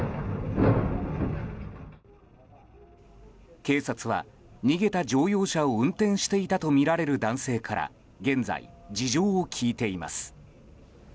警察は、逃げた乗用車を運転していたとみられる男性から現在、事情を聴いています。